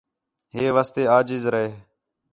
ہے واسطے عاجز رہ